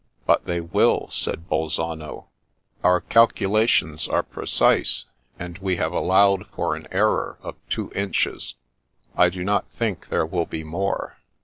" But they will," said Bolzano. " Our calcula tions are precise, and we have allowed for an error of two inches: I do not think there will be more.